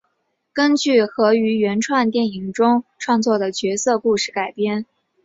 根据和于原创电影中创作的角色故事改编。